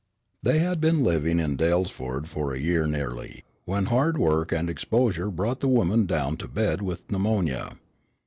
They had been living in Dalesford for a year nearly, when hard work and exposure brought the woman down to bed with pneumonia.